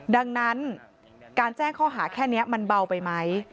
ดังนั้นการแจ้งข้อหาแค่นี้มันเบาไปไหม